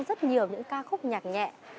rất nhiều những ca khúc nhạc nhẹ